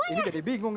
ini jadi bingung